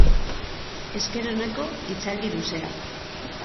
Esker oneko hitzaldi luzea.